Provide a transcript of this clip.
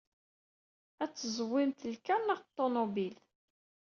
Ad teẓwimet lkaṛ neɣ tunobil?